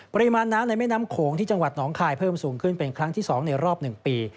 ปริมาณน้ำในแม่น้ำโขงที่จังหวัดหนองคายเพิ่มสูงขึ้นเป็นครั้งที่๒ในรอบ๑ปี